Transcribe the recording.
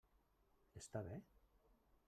Està bé?